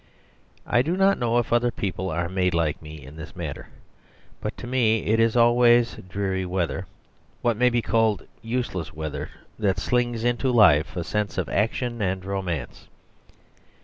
I do not know if other people are made like me in this matter; but to me it is always dreary weather, what may be called useless weather, that slings into life a sense of action and romance.